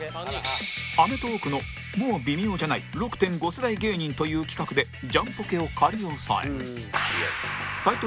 『アメトーーク』のもうビミョーじゃない ６．５ 世代芸人という企画でジャンポケを仮押さえ